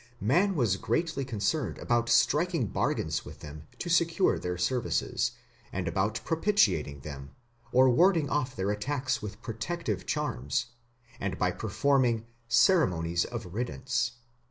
Man was greatly concerned about striking bargains with them to secure their services, and about propitiating them, or warding off their attacks with protective charms, and by performing "ceremonies of riddance".